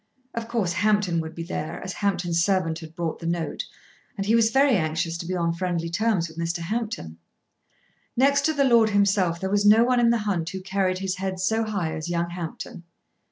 Of course Hampton would be there as Hampton's servant had brought the note, and he was very anxious to be on friendly terms with Mr. Hampton. Next to the lord himself there was no one in the hunt who carried his head so high as young Hampton.